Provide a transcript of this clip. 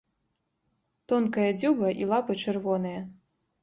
Тонкая дзюба і лапы чырвоныя.